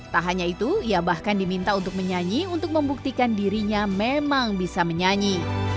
tak hanya itu ia bahkan diminta untuk menyanyi untuk membuktikan dirinya memang bisa menyanyi